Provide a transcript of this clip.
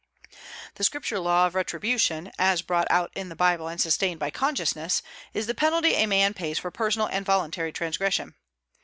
The Scripture law of retribution, as brought out in the Bible and sustained by consciousness, is the penalty a man pays for personal and voluntary transgression.